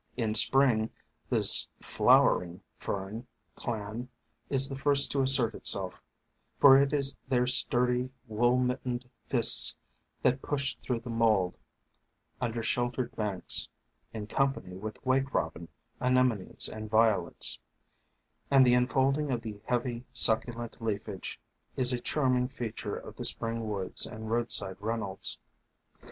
In Spring this "flowering" fern clan is the first to assert itself, for it is their sturdy, wool mittened fists that push through the mold, under sheltered banks, in company with Wake Robin, Anemones, and Violets, and the unfolding of the heavy, succu lent leafage is a charming feature of the Spring woods and roadside runnels.